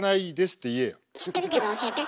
知ってるけど教えて。